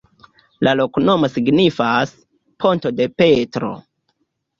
La loknomo signifas: ponto de Petro.